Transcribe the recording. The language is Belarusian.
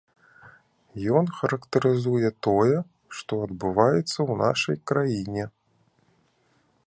Ён характарызуе тое, што адбываецца ў нашай краіне.